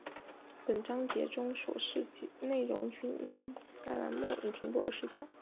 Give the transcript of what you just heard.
本章节中所示内容均因该栏目已停播而失效